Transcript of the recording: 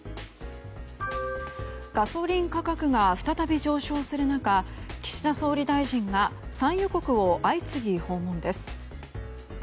ガソリン価格が再び上昇する中岸田総理大臣が産油国を相次ぎ訪問です。